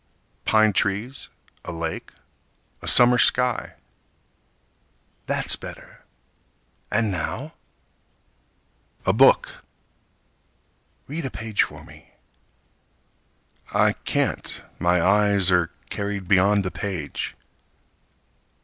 Pine trees, a lake, a summer sky. That's better. And now? A book. Read a page for me. I can't. My eyes are carried beyond the page.